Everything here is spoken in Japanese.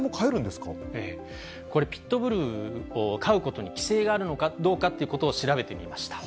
これ、ピットブルを飼うことに規制があるのかどうかということを調べてみました。